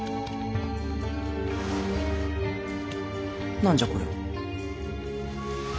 何じゃこれは？